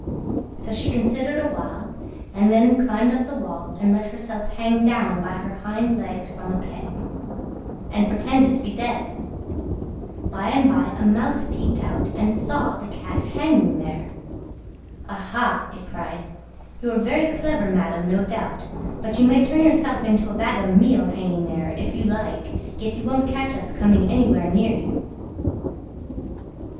So she considered a while, and then climbed up the wall and let herself hang down by her hind legs from a peg, and pretended to be dead. By and by a Mouse peeped out and saw the Cat hanging there. "Aha!" it cried, "you're very clever, madam, no doubt: but you may turn yourself into a bag of meal hanging there, if you like, yet you won't catch us coming anywhere near you."